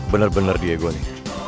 bener bener dia gua nih